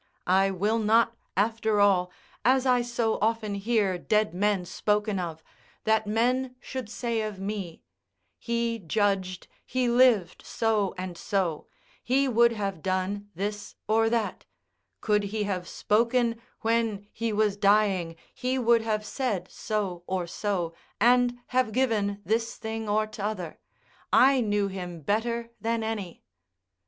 I will not, after all, as I often hear dead men spoken of, that men should say of me: "He judged, he lived so and so; he would have done this or that; could he have spoken when he was dying, he would have said so or so, and have given this thing or t'other; I knew him better than any."